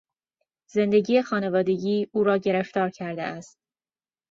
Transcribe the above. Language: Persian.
زندگی خانوادگی او را گرفتار کرده است.